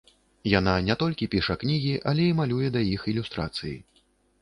Яна не толькі піша кнігі, але і малюе да іх ілюстрацыі.